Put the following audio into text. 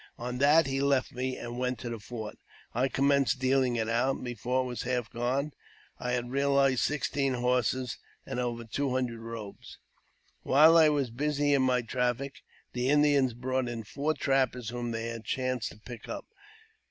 On that, he left me, and went to the fort. I commenced dealing it out, 3G0 AVTOBIOGBAPHY OF and, before it was half gone, I had reaHzed sixteen horses and over two hundred robes. , While I was busy in my traffic, the Indians brought in four trappers whom they had chanced to pick up.